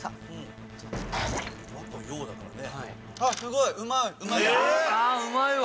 和と洋だもんね。